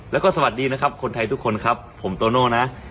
แล้วก็สวัสดีนะครับคนไทยทุกคนครับผมโตโน่นะ